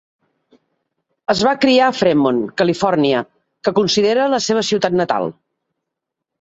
Es va criar a Fremont, Califòrnia, que considera la seva ciutat natal.